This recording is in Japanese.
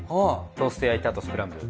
トースト焼いたあとスクランブル。